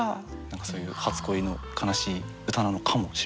何かそういう初恋の悲しい歌なのかもしれません。